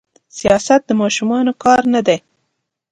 سياست د ماشومانو کار نه دي.